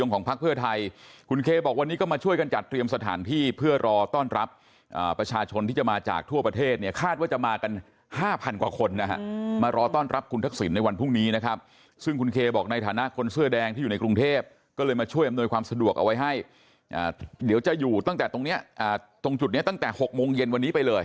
คือจะอยู่ตั้งแต่ตรงนี้ตรงจุดนี้ตั้งแต่๖โมงเย็นวันนี้ไปเลย